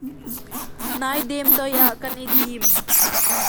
Naidem toi ah kan i dim.